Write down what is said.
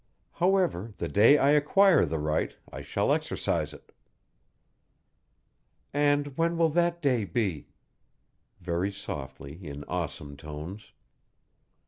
However, the day I acquire the right I shall exercise it." "And when will that day be?" Very softly, in awesome tones!